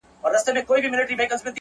• اورنګ زېب سو په ژړا ویل وېرېږم,